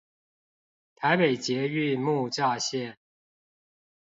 台北捷運木柵線